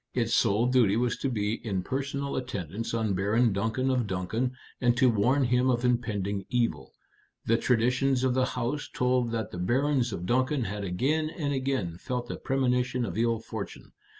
Its sole duty was to be in personal attendance on Baron Duncan of Duncan, and to warn him of impending evil. The traditions of the house told that the Barons of Duncan had again and again felt a premonition of ill fortune.